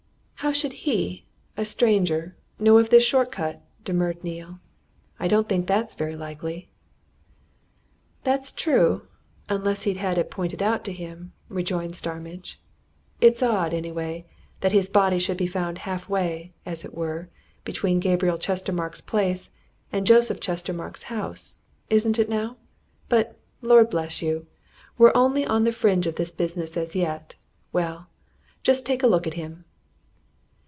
"How should he a stranger know of this short cut?" demurred Neale. "I don't think that's very likely." "That's true unless he'd had it pointed out to him," rejoined Starmidge. "It's odd, anyway, that his body should be found half way, as it were, between Gabriel Chestermarke's place and Joseph Chestermarke's house isn't it now? But, Lord bless you! we're only on the fringe of this business as yet. Well just take a look at him."